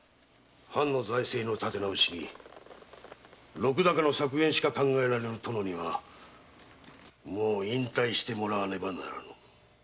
藩の財政の立て直しに禄高の削減しか考えられぬ殿にはもう引退してもらわねばならぬ。